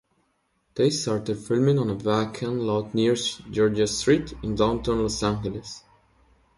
They started filming on a vacant lot near Georgia Street in downtown Los Angeles.